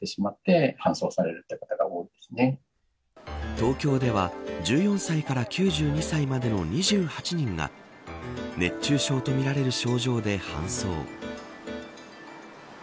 東京では１４歳から９２歳までの２８人が熱中症とみられる症状で搬送。